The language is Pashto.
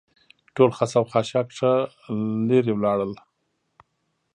ټول خس او خاشاک ښه لرې ولاړل.